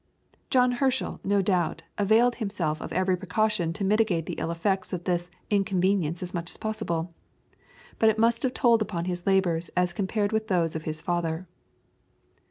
John Herschel, no doubt, availed himself of every precaution to mitigate the ill effects of this inconvenience as much as possible, but it must have told upon his labours as compared with those of his father.